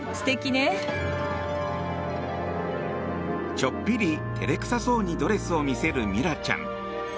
ちょっぴり照れ臭そうにドレスを見せるミラちゃん。